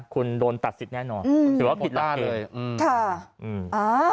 คุณโดนตัดสิทธิ์แน่นอนถือว่าผิดหลักเกณฑ์อืมค่ะอืมอ่า